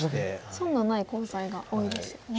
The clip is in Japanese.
損のないコウ材が多いですよね。